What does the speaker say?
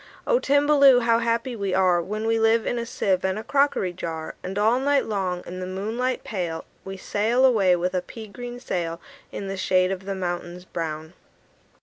"O Timballoo! How happy we are When we live in a sieve and a crockery jar! And all night long, in the moonlight pale, We sail away with a pea green sail In the shade of the mountains brown."